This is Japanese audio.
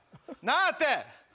なあって！